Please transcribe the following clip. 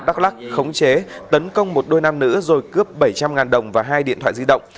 đắk lắc khống chế tấn công một đôi nam nữ rồi cướp bảy trăm linh đồng và hai điện thoại di động